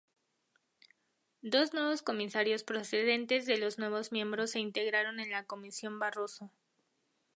Dos nuevos comisarios procedentes de los nuevos miembros se integraron en la Comisión Barroso.